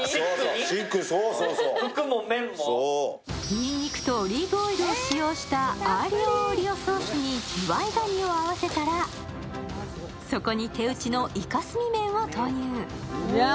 にんにくとオリーブオイルを使用したアーリオ・オーリオソースにずわいがにを合わせたら、そこに手打ちのいかすみ麺を投入。